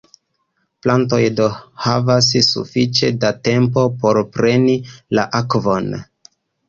Plantoj do havas sufiĉe da tempo por preni la akvon.